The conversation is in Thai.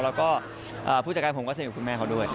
แล้วก็ผู้จัดการผมก็สนิทกับคุณแม่เขาด้วย